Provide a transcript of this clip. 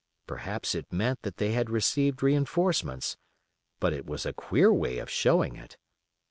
Perhaps it meant that they had received reinforcements, but it was a queer way of showing it.